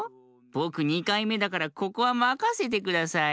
ぼく２かいめだからここはまかせてください。